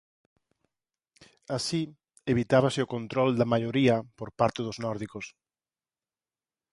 Así, evitábase o control da maioría por parte dos nórdicos.